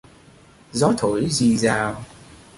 Gió thổi rì rào